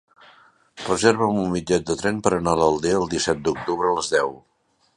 Reserva'm un bitllet de tren per anar a l'Aldea el disset d'octubre a les deu.